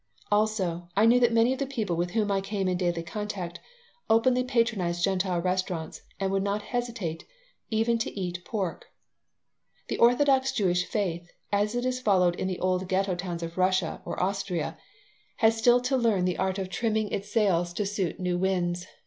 Also, I knew that many of the people with whom I came in daily contact openly patronized Gentile restaurants and would not hesitate even to eat pork The orthodox Jewish faith, as it is followed in the old Ghetto towns of Russia or Austria, has still to learn the art of trimming its sails to suit new winds.